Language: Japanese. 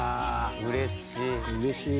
うれしい。